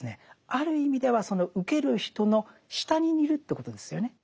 ある意味ではその受ける人の下にいるということですよね。